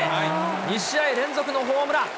２試合連続のホームラン。